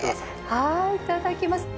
はいいただきます。